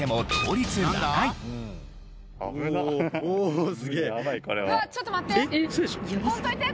うわっちょっと待って。